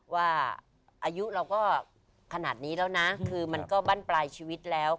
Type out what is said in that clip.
ว่าอายุเราก็ขนาดนี้แล้วนะคือมันก็บั้นปลายชีวิตแล้ว